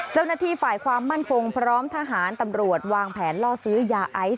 เจ้าหน้าที่ฝ่ายความมั่นคงพร้อมทหารตำรวจวางแผนล่อซื้อยาไอซ์